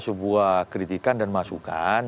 sebuah kritikan dan masukan